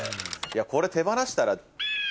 これ手放したら。